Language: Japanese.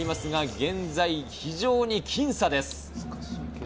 現在非常に僅差です。